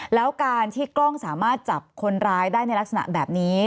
แล้วการที่กล้องสามารถจับคนร้ายได้ในลักษณะแบบนี้